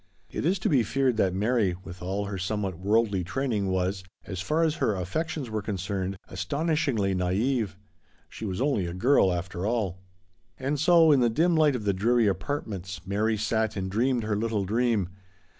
It is to be feared that Mary, with all her somewhat worldly train ing, was, as far as her affections were con cerned, astonishingly naive. She was only a girl after all. And so, in the dim light of the dreary " apartments," Mary sat and dreamed her little dream.